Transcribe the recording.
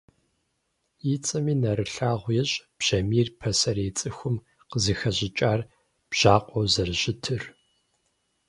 И цӀэми нэрылъагъу ещӀ бжьамийр пасэрей цӀыхум къызыхищӀыкӀар бжьакъуэу зэрыщытыр.